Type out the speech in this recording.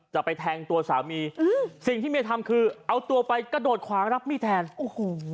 จะไปแทงตัวสามีอืมสิ่งที่เมียทำคือเอาตัวไปกระโดดขวางรับมีดแทนโอ้โห